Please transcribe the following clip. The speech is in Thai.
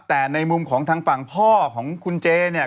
แต่ในมุมของทางฝั่งพ่อของคุณเจเนี่ย